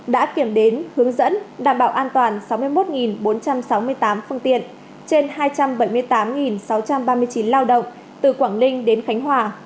đã kiểm đếm hướng dẫn đảm bảo an toàn sáu mươi một bốn trăm sáu mươi tám phương tiện trên hai trăm bảy mươi tám sáu trăm ba mươi chín lao động từ quảng ninh đến khánh hòa